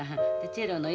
チェロの